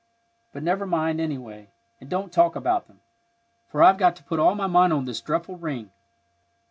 But never mind, anyway, and don't talk about them, for I've got to put all my mind on this dreadful ring."